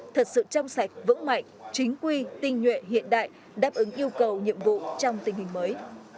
thật sự trong sạch vững mạnh chính quy tinh nhuệ hiện đại đáp ứng yêu cầu nhiệm vụ trong tình hình mới